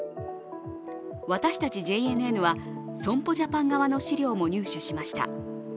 私たちＪＮＮは損保ジャパン側の資料も入手しました。